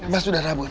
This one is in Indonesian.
mas sudah rabun